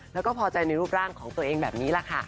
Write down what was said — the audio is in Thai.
แล้วก็พอใจในรูปร่างของตัวเองแบบนี้แหละค่ะ